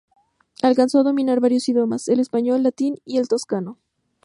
Alcanzó a dominar varios idiomas: el español, latín y el toscano.